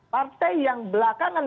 partai yang belakangan